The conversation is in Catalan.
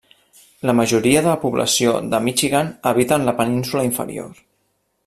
La majoria de la població de Michigan habita la península Inferior.